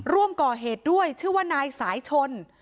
ร่วมก่อเหตุด้วยชื่อว่านายสายชน